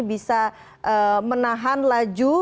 bisa menahan laju